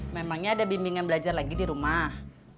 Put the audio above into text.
memangnya ada bimbingan belajar lagi di rumah